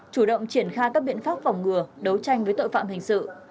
chủ động triển khai các biện pháp phòng ngừa đấu tranh với tội phạm hình sự